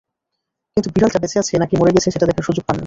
কিন্তু বিড়ালটা বেঁচে আছে নাকি মরে গেছে, সেটা দেখার সুযোগ পাননি।